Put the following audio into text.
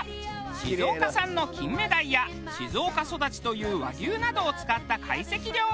静岡産の金目鯛や「静岡そだち」という和牛などを使った懐石料理。